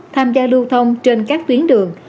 tham gia lưu thông trên các tuyến đường